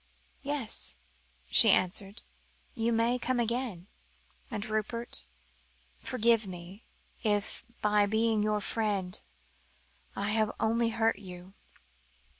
"Yes," she answered; "you may come again; and, Rupert, forgive me if by being your friend I have only hurt you.